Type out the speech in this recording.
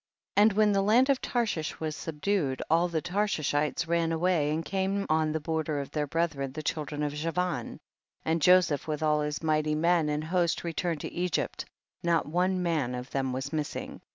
6. And when the land of Tarshish was subdued, all the Tarshishites ran away and came on the border of their brethren the children of Javan, and Joseph with all his mighty men and host returned to Egypt, not one man of them was missing.